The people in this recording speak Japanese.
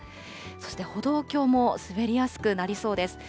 そして歩道橋も滑りやすくなりそうです。